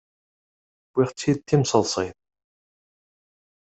Wwiɣ-tt-id d timseḍsit.